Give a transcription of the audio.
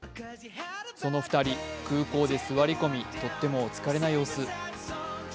その２人、空港で座り込みとってもお疲れな様子。